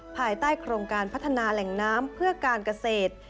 ภายใต้โครงการพัฒนาแหล่งน้ำเพื่อการเกษตร